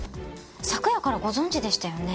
昨夜からご存じでしたよね？